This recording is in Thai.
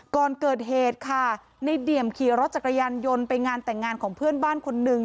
ก่อนเกิดเหตุค่ะในเดี่ยมขี่รถจักรยานยนต์ไปงานแต่งงานของเพื่อนบ้านคนนึง